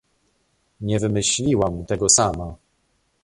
Nie wymyśliłam tego sama